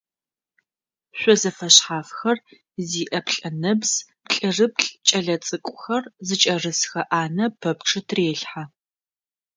Шъо зэфэшъхьафхэр зиӏэ плӏэнэбз плӏырыплӏ кӏэлэцӏыкӏухэр зыкӏэрысхэ ӏанэ пэпчъы тырелъхьэ.